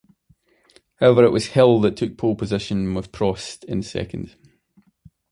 However it was Hill that took pole position with Prost in second.